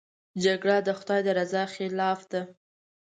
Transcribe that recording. جګړه د خدای د رضا خلاف ده